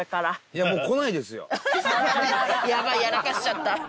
やばいやらかしちゃった。